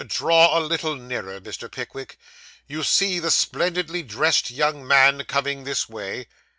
Draw a little nearer, Mr. Pickwick. You see the splendidly dressed young man coming this way?